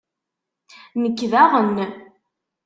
Nekk daɣen.